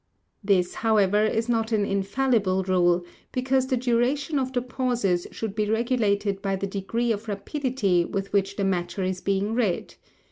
This, however, is not an infallible rule, because the duration of the pauses should be regulated by the degree of rapidity with which the matter is being read.